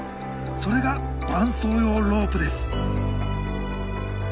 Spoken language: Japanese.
それが伴走用ロープです。